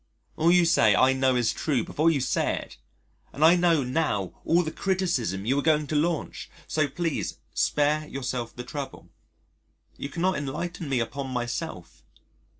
All you say I know is true before you say it and I know now all the criticism you are going to launch. So please spare yourself the trouble. You cannot enlighten me upon myself.